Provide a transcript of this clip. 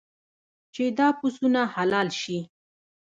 چې دا پسونه حلال شي.